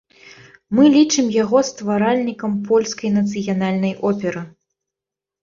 Мы лічым яго стваральнікам польскай нацыянальнай оперы.